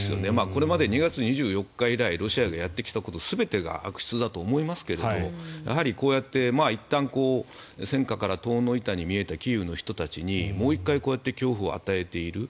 これまで２月２４日以来ロシアがやってきたこと全てが悪質だとは思いますがやはり、こうやっていったん戦火から遠のいたように見えたキーウの人たちにもう一回こうやって恐怖を与えている。